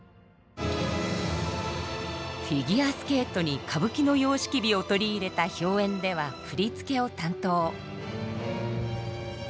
フィギュアスケートに歌舞伎の様式美を取り入れた「氷艶ｈｙｏｅｎ」では振付を担当。